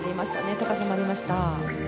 高さもありました。